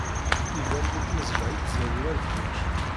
Iban di tmeẓla i tẓewreḍ kečč.